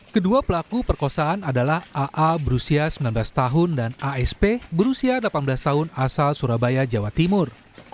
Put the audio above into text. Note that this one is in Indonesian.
kedua pelaku perkosaan adalah aa berusia sembilan belas tahun dan asp berusia delapan belas tahun asal surabaya jawa timur